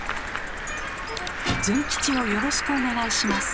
ズン吉をよろしくお願いします。